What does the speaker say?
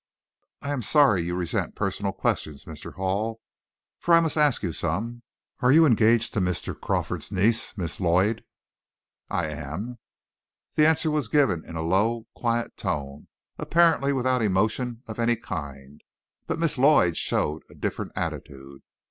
"I am sorry you resent personal questions, Mr. Hall, for I must ask you some. Are you engaged to Mr. Crawford's niece, Miss Lloyd?" "I am." This answer was given in a low, quiet tone, apparently without emotion of any kind, but Miss Lloyd showed, a different attitude.